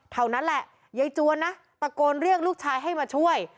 เท่านั้นแหละยายจวนนะตะโกนเรียกลูกชายให้มาช่วย